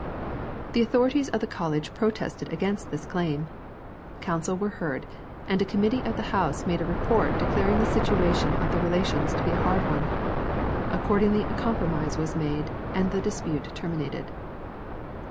The authorities of the College protested against this claim. Counsel were heard, and a Committee of the House made a report declaring the situation of the relations to be a hard one. Accordingly, a compromise was made, and the dispute terminated.